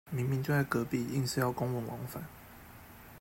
明明就在隔壁，硬是要公文往返